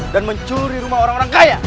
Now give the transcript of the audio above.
mencuri rumah orang orang kaya